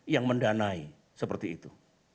yang mendanai seperti itu